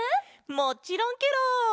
もちろんケロ！